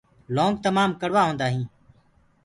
لونٚگ تمآم ڪڙوآ هوندآ هينٚ